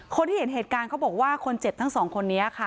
คนที่เห็นเหตุการณ์เขาบอกว่าคนเจ็บทั้งสองคนนี้ค่ะ